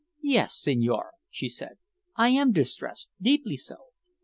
"Yes, Senhor," she said; "I am distressed deeply so.